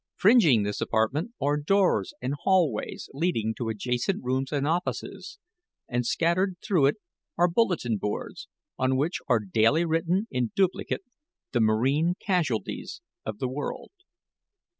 Fringing this apartment are doors and hallways leading to adjacent rooms and offices, and scattered through it are bulletin boards, on which are daily written in duplicate the marine casualties of the world.